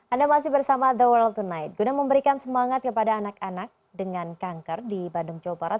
anda masih bersama the world tonight guna memberikan semangat kepada anak anak dengan kanker di bandung jawa barat